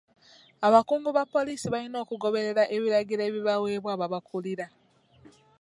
Abakungu ba poliisi balina okugoberera ebiragiro ebibaweebwa ababakulira.